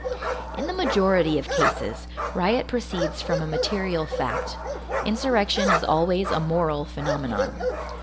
In the majority of cases, riot proceeds from a material fact; insurrection is always a moral phenomenon.